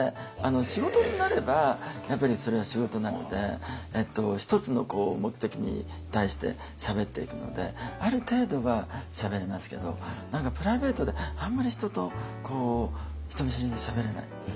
仕事になればやっぱりそれは仕事なので一つの目的に対してしゃべっていくのである程度はしゃべれますけど何かプライベートであんまり人と人見知りでしゃべれない。